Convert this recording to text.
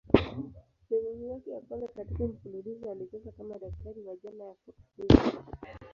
Sehemu yake ya kwanza katika mfululizo alicheza kama daktari wa jela ya Fox River.